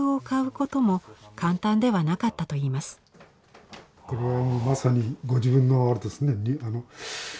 これもまさにご自分のあれですね